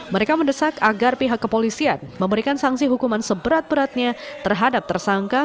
mereka mendesak agar pihak kepolisian memberikan sanksi hukuman seberat beratnya terhadap tersangka